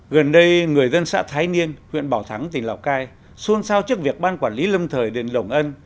gần đây người dân xã thái niên huyện bảo thắng tỉnh lào cai xuân sao trước việc ban quản lý lâm thời đền đồng ân